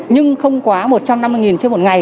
nhưng không quá một trăm năm mươi chiếc một ngày